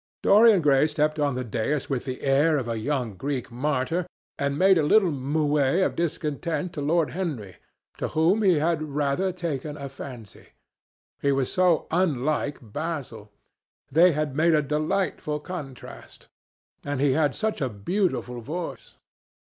Dorian Gray stepped up on the dais with the air of a young Greek martyr, and made a little moue of discontent to Lord Henry, to whom he had rather taken a fancy. He was so unlike Basil. They made a delightful contrast. And he had such a beautiful voice.